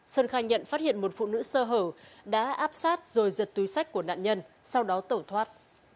sơn khai nhận phát hiện một phụ nữ sơ hở đã áp sát rồi giật túi sách của nạn nhân sau đó tẩu thoát